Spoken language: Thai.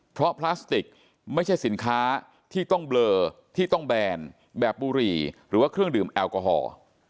เพราะพลาสติกไม่ใช่สินค้าที่ต้องเบลอที่ต้องแบนแบบบุหรี่หรือว่าเครื่องดื่มแอลกอฮอล์